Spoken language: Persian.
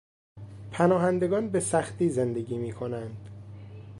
پناهندگان به سختی زندگی می کنند.